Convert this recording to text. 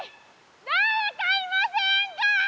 だれかいませんか？